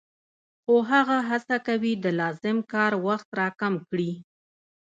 خو هغه هڅه کوي د لازم کار وخت را کم کړي